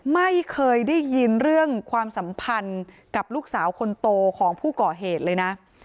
ไม่เคยได้ยินเรื่องความสัมพันธ์กับลูกสาวคนโตของผู้ก่อเหตุเลยนะ